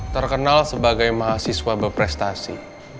terkenal sebagai mahasiswa berprestasi